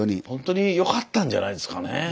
ほんとによかったんじゃないですかね。